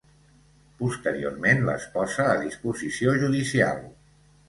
Posteriorment les posa a disposició judicial.